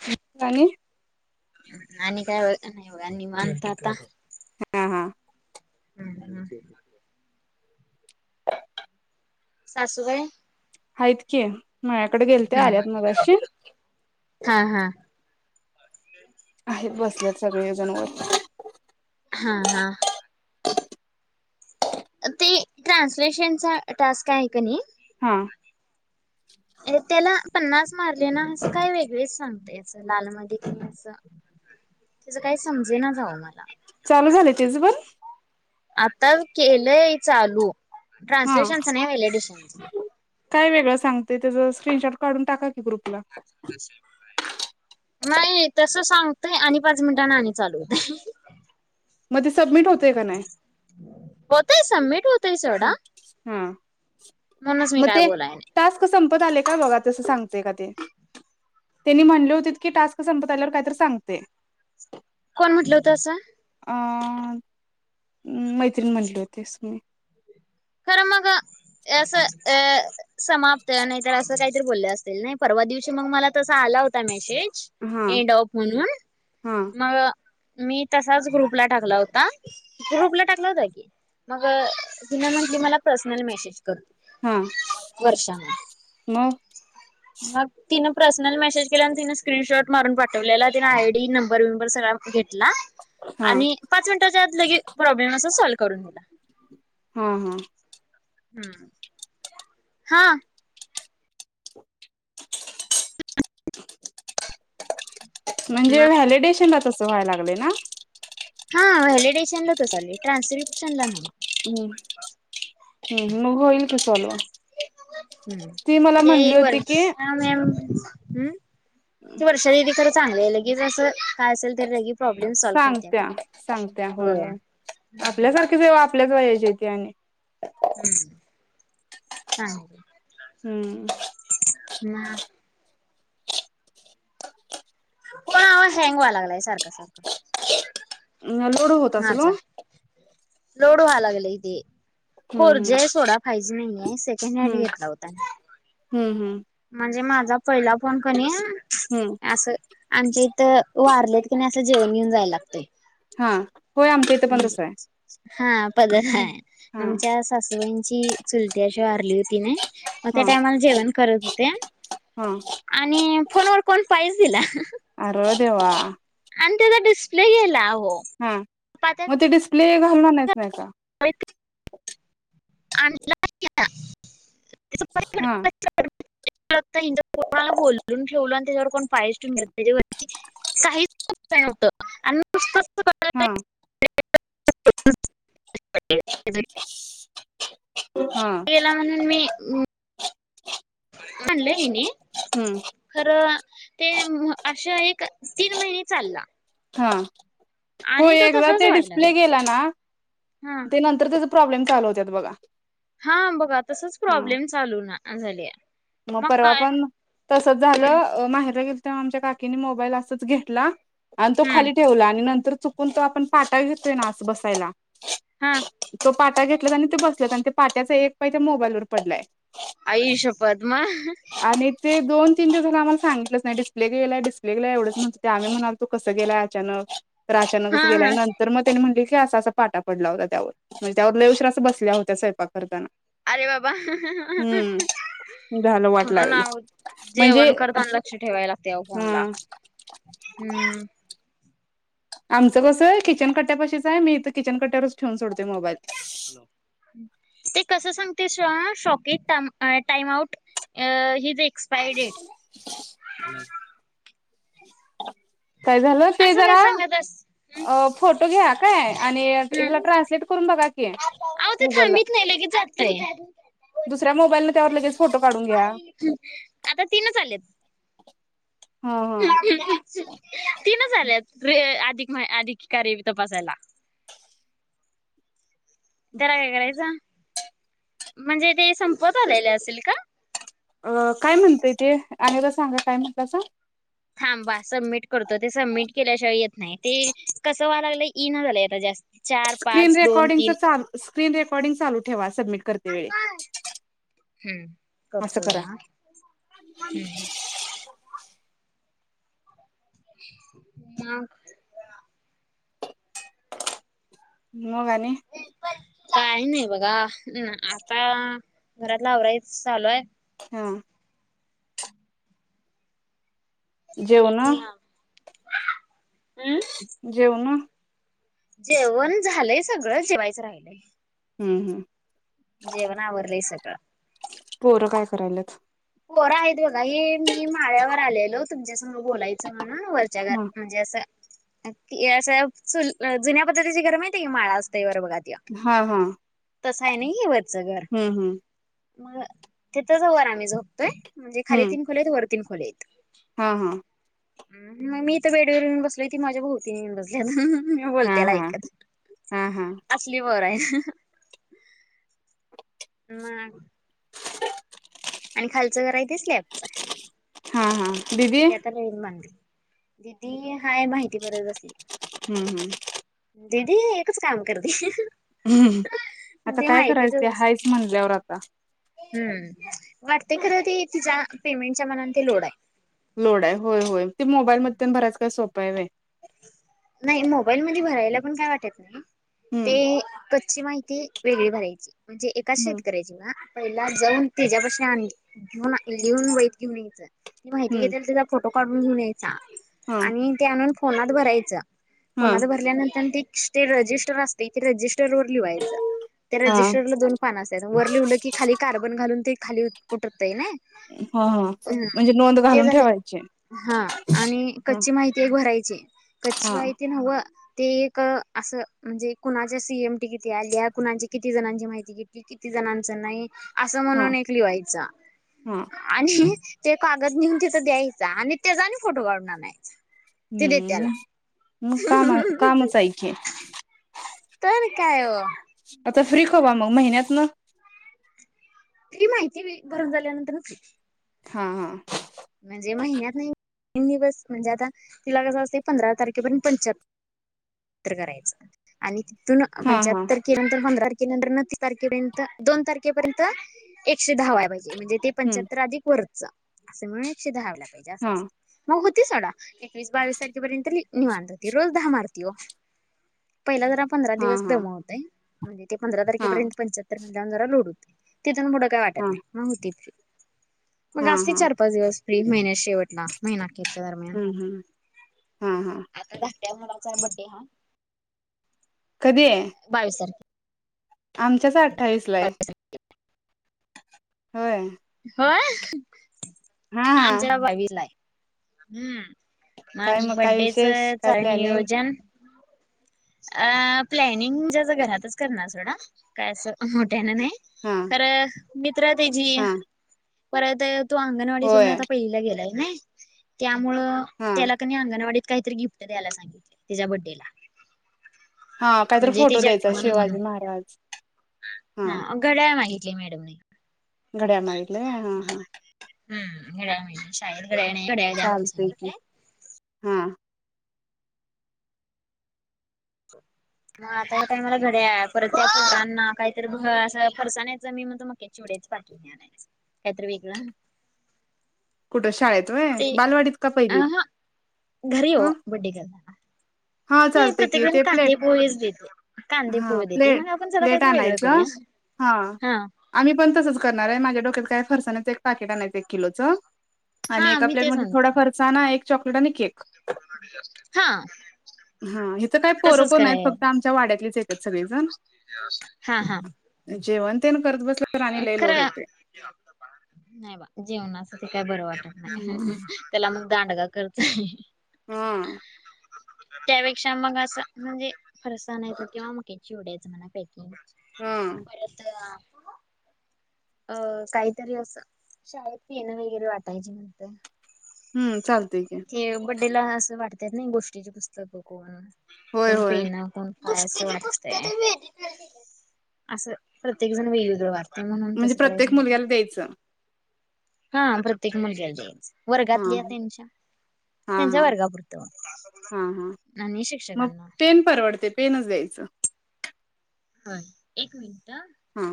[unintelligible] वाणी आणि काय होय नाही होय आणि मागतात का? हा हा. हा हा. सासूबाई हाईत की मायाकड गेलत्या हम्म आल्यात मगाशी. हा हा. आहेत बसल्यात, सगळेजण वर. हा हा ते ट्रान्सलेशनचा, टास्क आहे का नाही. हा त्याला पन्नास मारले ना असं काय वेगळेच सांगते, याचं लाल म कि असं. त्याचं काही समजे, ना जाव मला. चालू झाले तेच बण. आता केलंय चालू, हा ट्रान्सलेशनच नाही वलडशन. काय वेगळं सांगते त्याचचा, स्क्रीनशॉट काढून टाका की ग्रुपला. अ नाही तस सांगतय, आणि पाच मिनिटांना आणि चालू होते. मध्ये ते सबमिट, होतय का नाही. पताय समीट. हम् हम्. म्हणूनच मी काय बोलाय नाही. तास्क संपत आले का बघा, तसं सांगतेय का ते. त्यांनी म्हणले होते की टास्क, संपता आल्यावर कायत सांगते. कोण म्हटलं होतं असं. अ मैत्रीण म्हटले होतेस म. खरं मग असं अ. समाप्त नाही तर असं, काहीतरी बोलले असतील नाही, परवा दिवशी मग मला तसा आला होता मेसेज. हा ए डॉप म्हणून हा मग. मी तसाच ग्रुपला टाकला होता, ग्रुपला टाकला होता, की मग तिन म मी मला पर्सनल, मेसेज हा करते वर्षां. मग म [unintelligible] तिनं पर्सनल मेसेज केला आणि तिनें स्क्रीनशॉट, मारून पाठवलेला तिने, आय डी नंबर विंबर सगळा घेतला. हा आणि पाच मिनिटाच्या आ लगे प्रॉब्लेम, अस सॉल्व करून दिला. हा हा हम्म. हा म्हणजे व्हॅलिडेशनला तसं व्हायला लागले ना. हा व्हॅलिडेशनला तच, चाली ट्रान्स्किपशन ला नाव. हम् हम् नुभईल त चल. ह ते की वर्षमम हम्. शरीकडे चांगलं आहे लगेच असं. काय असेल तर लगी, प्रॉब्लेम सॉल्व सांगत्या करतेरा हो. ेव आपल्याला, वयचीे आणि हम्म हां [unintelligible] हम्म. ना. कोण हवा हँग व्हा, लागलाय सारखं सारखं. अ लोडो होत असल. लोड व्हा लागले इथे हम्म खोरजे आहे सोडा पाहिजे, नाहीय सेकंड हँड हम्म घेतला होता. हम्म हम्. म्हणजे माझा पहिला फोन कणी हम्म आहे असं. आमच्या इथं वारलेत की नाही, असं जेवण घेऊन जायला लागतय. हा. होय आमच्या इथं पण तसं आहे म्हणजे हा पद आहे हा आमच्या. सासूबाईंची चुलती अशी वारली होती ना. म त्या हा टायमाला जेवण करत होते. हा आणि फोनवरर कोण पाैस दिला. अर देेवा. आणि त्याचा डिस्प्ले गला हो. हा मग ते डिस्प्ले घालणार नाहीच नाहीचा. आणि. हा. कोणाला बोलून ठेवल आणि त्याच्यावर कोण पायसून घ त्याच्यावर. साित खपवतं आणि [unintelligible] हा. हा गेला म्हणून मी. आणणलं हेन. हम्म खरं ते असे एक तीन महिने चालला. हा हो आणि तो एकदा तसाच ते व्हायला डिस्प्ले लागला गेला हा. नांत तर त्याचा प्रॉ्मचालू होत बघा. हा बघा तसच हा प्रॉब्लेम चालू ना झाले. मग परवा पण तसच हम्म झालं माहिर गे आमचा काकी असाच मोबाइल घेतला तो हम्म खाली ठेवला आणि [unintelligible] कोण तो आपण पाठा घेतोय ना बसायला. हा. तो पाटा घेतला आणि ते बसलात, आणि ते पाट्याचा एक पहि त्या मोबाईलवरर पडलाय. आय श्यपदमा. आणि ते दोन तीन दिवस आम्हाला सांगितच नाही डिस््ले गेला डिस््ले गेला एवढच म्हण ते आम्ही म्हणार तू कस गेला अचानक तर हा अचानकच गेल्या हा नंतर तर मग त्यानी म्हटले की असा असा पाटा पडला होता त्यावर म्हणजे त्यावर लयुशरा असं बसल्या होत्या स्वयंपा करताना अरे बाबा हम्म झालं वाट म्हणून लागली म्हणजे जेवण करताना लक्ष ठेवायला लागते फोन ला. हा हम्म. आमचं कसं आहे किचन कट्ट्यापाशीच आहे, मी तर किचन कट्याच ठेवून सोडतेो मोबाईल. ते कस सांगते शॉकी टाइम आउट. अ ही ज एक्सपायरी डेट. [inaudible] काय झालं ते असं काय जरा सांगत अस फोटो घ्या काय आणि हिला ट्रान्सलेट करून बघा की अ ते गुगलला थांबत नाही ल की जातय दुसऱ्या मोबाईलने त्यावर लगेच फोटो काढून घ्या आता तीनच आलेत हा हा तीन ल्यात अधिक मा अधिकिके तपासायला [inaudible] तेला काय करायचा? म्हणजे ते संपत आलेले असेल का? अ काय म्हणतय तेे? आणायला सांगू का म तस? थांबा सबमिट करतो. ते सबमिट केल्याशिवाय येत नाही. ते कसं व्हाया लागलय? ते येईना झालंय आता जास्त. चार. स्क्रीन पाच दोन रेकॉर्डिंग तीन चाल स्क्रीन रेकॉर्डिंग चालू ठेवा सबमिट करते वेळी. हम्म. असं करतोय करा ना? हम्. हां. मग आणि? काही नाही बघा आता घरातल आवरायचं चालू आहे. हा. जेवण ह हम्. जेवण? जेवण झालंय सगळं. जेवायचं राहिलय. हम् हम्. जेवण आवरलंय सगळं. पोरं काय करायलेत? पोर आहेत बघा. हे मी माळ्यावर आलेलो तुमच्यासंग बोलायचं म्हणून, वरच्या घर- हा म्हणजे अस असं जुन्या पद्धतीची घरं माहितीए का? माळा असतोय वर बघा त्यो. हा हा. तस आहे नाही हे वरचं घर. हम्म हम्म मग तिथच वर आम्ही झोपतोय. म्हणजे खाली हम्म तीन खोल्या आहेत वर तीन खोल्या आहेत. हा हा. मी इथे बेडवर येऊन बसले होते. ती माझ्या बह- ती येऊन बसली. मी हा बोलतेला हा ऐकत. हा हा असली बर आहे. मग? आणि खालचं घर आहे ते स्लॅब. [unintelligible] हा हा. दिदी- [unintelligible] दिदी हाय माहिती बरोबर बसली. हम्म हम्. दिदी एकच काम करते. हम्म. आता ते काय करायचं? माहितीतच हायच म्हणल्यावर आता. हम्म. वाटतेय खरं ते तिच्या पेमेंटच्या मानान ते लोड आहे. लोड आहे. होय होय. ते मोबाईल [unintelligible] काय सोप हाय व्हय. नाही मोबाईल मधे भरायला पण काय वाटत नाही. हम्म ते- ची माहिती वेगळी भरायची. म्हणजे एका हम्म शेतकऱ्याची ना? पहिला जाऊन त्याच्यापासन आणि घेऊन लिहून वहीत घेऊन यायचं. ती माहिती हम्म घेतेल ति- फोटो काढून घेऊन यायचा हा आणि ते आणून फोनात भरायचा. हा फोनात भरल्यानंतर ते रजिस्टर असतय. ते रजिस्टरवर - लिहायच. त्या हा रजिस्टर मधून- पान असत्यात. वर लिवलं की खाली कार्बन घालून ते खाली उठतय ना? हां. हम्म म्हणजे नोंद ते घालून झाले ठेवायची. हा. आणि हा कच्ची माहिती भरायची. कच्ची हा माहिती नव्ह ते- असं म्हणजे कुणाच्या सी एम टी किती आल्या? कुणाची किती जणांची माहिती घेतली? किती जणांचं नाही असं हा म्हणून एक लिव्हायच. हा आणि ते कागद नेऊन तिथं द्यायच आणि त्याजा आणि फोटो काढून आणायच. ते देत्याला. हम्म मग काम कामच आहे की तर काय ओ. आता फ्री कवा मग महिन्यातन? फ्री माहिती नाही भरून झाल्यानंतरच [unintelligible] हा हा. म्हणजे महिन्यात [unintelligible] तीन दिवस म्हणजे आता, तिला कसं असतय पंधरा तारखेपर्यंत पंच्याहत्तर तर करायचं, आणि तिथून हा हा पंच्याहत्तर [unintelligible] पंधरा तारखेनंतरन तीस तारखेपर्यंत दोन तारखेपर्यंत, एकशे दहा व्हाय पाहिजे म्हणजे ते हम्म पंच्याहत्तर अधिक वरच. अस मिळून एकशे दहा वाहिला पाहिजे अस हा अस, मग होती सोडा, एकवीस बावीस तारखेपर्यंत निवांत होती रोज दहा मारती ओ, पहिला जरा पंधरा हा दिवस हा दमवतय. म्हणजे ते पंधरा हा तारखेपर्यंत पंच्याहत्तर मनल्यावर जरा लोड होतय, तिथून पुढं काय वाटत नाही. हा होती फ्री, मग हा असतय हा चार पाच दिवस फ्री महिन्याच्या शेवटला. महिनाखेरच्या दरम्यान, हम्म हम्म हा हा आता धाकट्या मुलाचा बड्डे हाय. कधी? बावीस तार आमच्यात अठ्ठावीसला आहे, होय. होय, हा हा आमच्यात बावीसलाय. हम्म, काय मग काय बड्डेच विशेष काय [unintelligible] प्लॅनिंग नियोजन अ प्लॅनिंग [unintelligible] घरातच करणार सोडा. काय असं मोठ्यान नाही, हा खर मित्र तेजी, हा परत तो अंगणवाडी सोडून होय आता पहिलीला गेलाय नई. त्यामुळे, हा त्याला कनी अंगणवाडीत काहीतरी गिफ्ट द्यायला सांगितल, त्याच्या बड्डेला. हा काहीतरी म्हणजे फोटो त्याची द्यायचा आठवण म्हणून शिवाजी महाराज, हा. घड्याळ मागितलय मॅडमनी. घड्याळ मागितल हा हां. हम्म घड्याळ [unintelligible] शाळेत घड्याळ नाही घड्या चालतय की, हा. मग आता काय मला घड्याळ परत पोरांना काहीतरी घ अस फरसानाचं मी म्हणतो मक्या चिवडयाचे पाकिट आणायचं, काहीतरी वेगळ. कुठं शाळेत व्हय बालवाडीत का पहिलीत, हा घरी हो हं. बड्डे केलता का? हा चालतय की ते प्लेट, पोहेच देते. कांदे हा पोहे देते मग प्लेट, आपण जरा प्लेट काहीतरी वेगळं आणायचं. करूया हा, आम्ही पण तसंच करणार आहे माझ्या डोक्यात काय फरसानाच एक पाकीट आणायच एक किलोच, आणि हा एका मी तेच प्लेटमध्ये थोडा म्हणतो. फरसाना एक चॉकलेट आणि केक. हा. हा हिथ काय पोरं तसच कोण नायत कराय फक्त आमच्या वाड्यातलीच येतात सगळीजण. जेवण? तेन करत ब खर, नाही बा जेवनाच ते काय बर वाट हम्म त्याला मग दांडगा खर्च हाय. हा. त्यापेक्षा मग असं म्हणजे फरसा नाहीतर किंवा मक्याच्या चिवड्याच म्हणा पकिंग. हा परत अ काहीतरी असं शाळेत पेन वगैरे वाटायचे म्हणत. हम्म चालतंय की. ते बडेला असं वाटत्यात नई गोष्टीची पुस्तकं कोण, होय कोण होय पेन, कोण असं वाटतय असं प्रत्येक जण वेगवेगळं वा ते म्हणून तसं करायचं म ते तेच. हा प्रत्येक मुलग्याला द्यायचं हा वर्गातल्या त्यांच्या, हा त्यांचा हा वर्गापुरतं. हा हा आणि मग शिक्षकांना‌. पेन परवडते पेनच द्यायचं. हो एक मिनिट. हा.